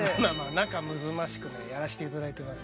仲むずましくねやらせていただいてます。